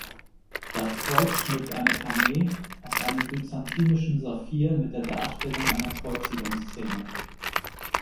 Das Kreuz schmückt eine Kamee aus einem byzantinischen Saphir mit der Darstellung einer Kreuzigungsszene.